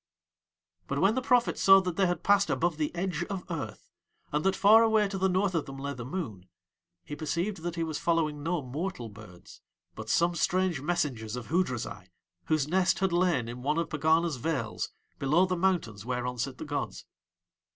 But when the prophet saw that they had passed above the edge of Earth, and that far away to the North of them lay the Moon, he perceived that he was following no mortal birds but some strange messengers of Hoodrazai whose nest had lain in one of Pegana's vales below the mountains whereon sit the gods.